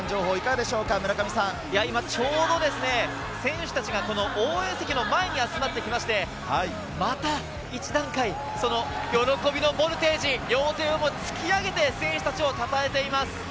今ちょうど選手たちが応援席の前に集まってきまして、また１段階、喜びのボルテージ、両手を突き上げて選手たちをたたえています。